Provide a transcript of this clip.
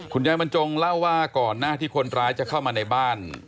บรรจงเล่าว่าก่อนหน้าที่คนร้ายจะเข้ามาในบ้าน